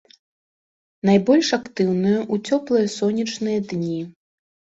Найбольш актыўныя ў цёплыя сонечныя дні.